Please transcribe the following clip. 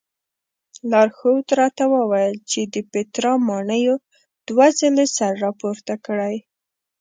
لارښود راته وویل چې د پیترا ماڼیو دوه ځلې سر راپورته کړی.